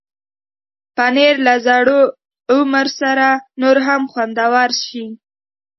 پنېر له زوړ عمر سره نور هم خوندور شي.